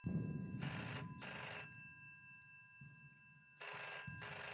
Sɔ́' ánɛ́ shʉ́ nɔna gwɛ̌m á saḿpə.